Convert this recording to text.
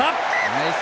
ナイス！